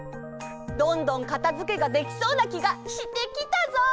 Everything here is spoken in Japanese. どんどんかたづけができそうなきがしてきたぞ。